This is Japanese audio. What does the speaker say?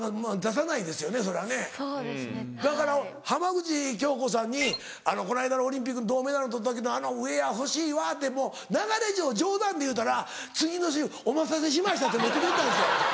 だから浜口京子さんに「この間のオリンピック銅メダル取ったけどあのウエア欲しいわ」って流れ上冗談で言うたら次の週「お待たせしました」って持って来よったんですよ。